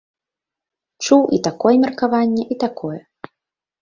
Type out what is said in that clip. Чуў і такое меркаванне, і такое.